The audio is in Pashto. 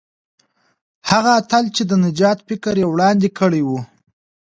هغه اتل چې د نجات فکر یې وړاندې کړی وو.